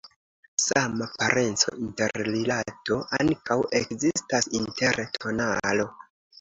Sama parenco-interrilato ankaŭ ekzistas inter tonalo.